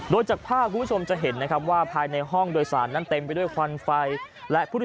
โดยจากภาพคุณผู้ชมจะเห็นนะครับว่าภายในห้องโดยสารนั้นเต็มไปด้วยควันไฟและผู้ที่